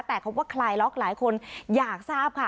แต่คำว่าคลายล็อกหลายคนอยากทราบค่ะ